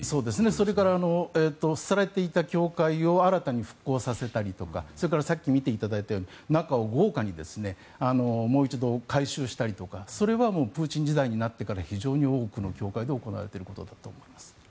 それから廃れていた教会を新たに復興させたりとかさっきご覧いただいたように中を豪華にもう一度改修したりとかそれはプーチン時代になってから非常に多くの教会で行われていることだと思います。